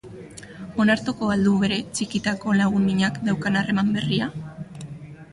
Onartuko al du bere txikitako lagun-minak daukan harreman berria?